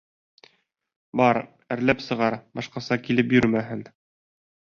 Бар, әрләп сығар, башҡаса килеп йөрөмәһен!